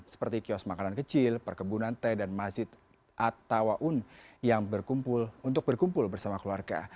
seperti kios makanan kecil perkebunan teh dan masjid attawaun ⁇ yang berkumpul untuk berkumpul bersama keluarga